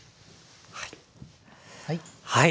はい。